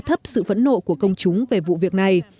thấp sự phẫn nộ của công chúng về vụ việc này